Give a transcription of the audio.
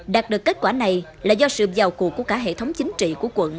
đạt được kết quả này là do sự vào cuộc của cả hệ thống chính trị của quận